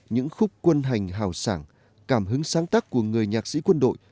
bên cạnh những khúc quân hành hào sảng cảm hứng sáng tác của người nhạc sĩ quân đội